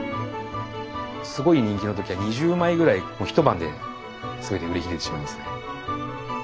すごい人気の時は２０枚ぐらいもう一晩で全て売り切れてしまいますね。